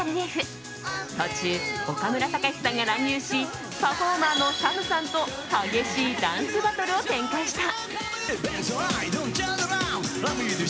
途中、岡村隆史さんが乱入しパフォーマーのＳＡＭさんと激しいダンスバトルを展開した。